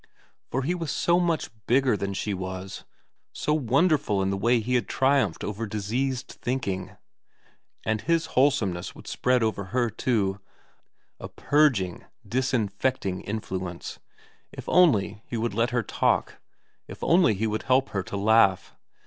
For he was so much bigger than she was, so wonderful in the way he had triumphed over diseased thinking, and his wholesomeness would spread over her too, a purging, disinfecting influence, if only he would let her talk, if only he would help her to laugh.